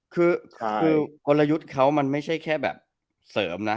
คือกลยุทธ์เขามันไม่ใช่แค่แบบเสริมนะ